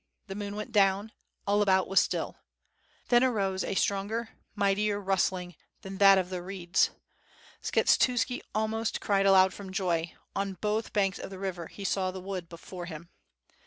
The moon went down; all about was y38 V^IT^H FlttE AND 8W0RD. still. Then arose a stronger, mightier rustling than that of the reeds. Skshetuski almost cried aloud from joy — on both banks of the river he saw the wood before him.